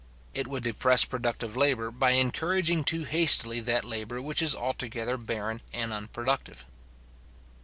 It would depress productive labour, by encouraging too hastily that labour which is altogether barren and unproductive.